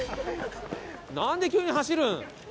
なんで急に走る？